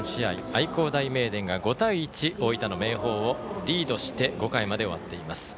愛工大名電が５対１大分の明豊をリードして５回まで終わっています。